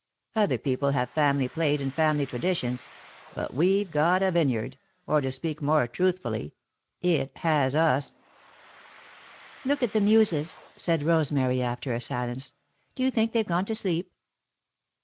Other people have family plate and family traditions, but we've got a vineyard, or, to speak more truthfully, it has us." [Sidenote: Happy Muses] "Look at the Muses," said Rosemary, after a silence. "Do you think they've gone to sleep?"